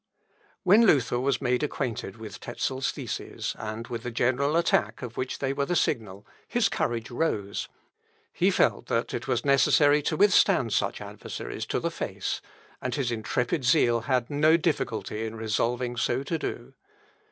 i, p. 92.) When Luther was made acquainted with Tezel's theses, and with the general attack of which they were the signal, his courage rose. He felt that it was necessary to withstand such adversaries to the face; and his intrepid zeal had no difficulty in resolving so to do.